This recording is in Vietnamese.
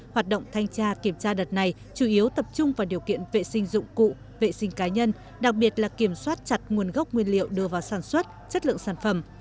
hoạt động thanh tra kiểm tra đợt này chủ yếu tập trung vào điều kiện vệ sinh dụng cụ vệ sinh cá nhân đặc biệt là kiểm soát chặt nguồn gốc nguyên liệu đưa vào sản xuất chất lượng sản phẩm